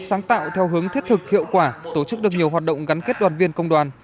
sáng tạo theo hướng thiết thực hiệu quả tổ chức được nhiều hoạt động gắn kết đoàn viên công đoàn